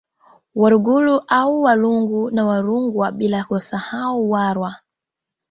Warungu au Walungu na Warungwa bila kusahau Warwa